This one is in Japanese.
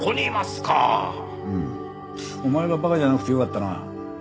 うんお前は馬鹿じゃなくてよかったな。